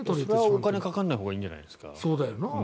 お金かからないほうがいいんじゃないんですか。